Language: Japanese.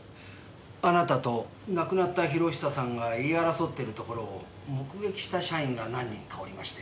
あなたと亡くなった博久さんが言い争ってるところを目撃した社員が何人かおりまして。